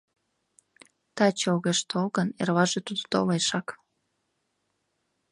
Таче огеш тол гын, эрлаже тудо толешак.